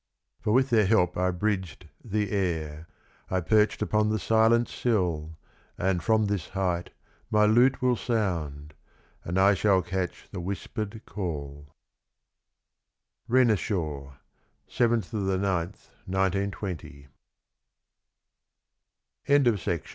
For with their help I bridged the air; I perched upon the silent sill, And from this height my lute will sound. And I shall catch the whispered call. Renishaw. 7.9.20. 39 SACHEAERELL SIT WELL. ANOTHER IMITATION.